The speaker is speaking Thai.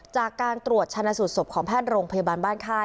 จากการตรวจชาญนาสุดสมของพรพบ้านข้าย